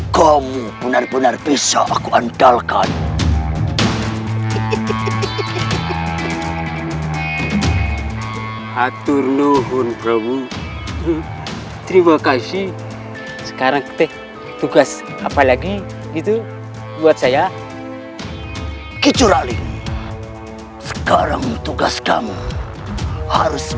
kau bisa berjalan dengan lancar